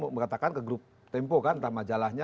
mengatakan ke grup tempo kan entah majalahnya